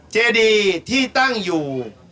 เจดีที่ตั้งอยู่